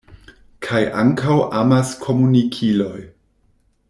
Kaj ankaŭ amaskomunikiloj.